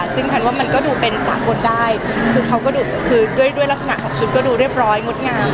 ซึ่งแผ่นว่ามันก็ดูเป็นสาบดาลเพราะว่าด้วยกลับรถรสระก็ดูเรียบร้อยงดงาม